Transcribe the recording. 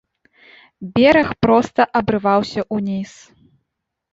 Бераг проста абрываўся ўніз.